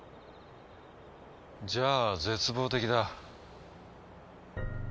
じゃあ絶望的だ。